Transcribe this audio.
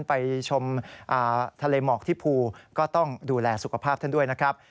ไปชมทะเลหมอกที่ภูก็ต้องดูแลสุขภาพท่านด้วยนะครับ